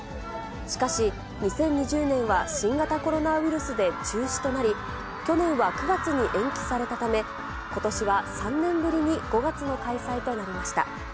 しかし、２０２０年は新型コロナウイルスで中止となり、去年は９月に延期されたため、ことしは３年ぶりに５月の開催となりました。